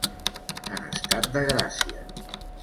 En estat de gràcia.